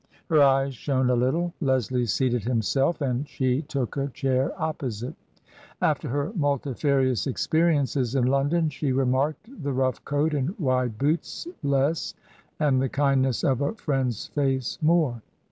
Her eyes shone a little. Leslie seated himself, and she took a chair opposite. After her multifarious experiences in London, she remarked the rough coat and wide boots less, and the kindness of a friend's face more.